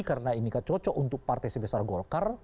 karena ini kan cocok untuk partai sebesar golkar